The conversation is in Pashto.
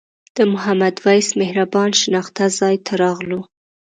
د محمد وېس مهربان شناخته ځای ته راغلو.